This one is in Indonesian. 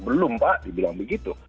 belum pak dibilang begitu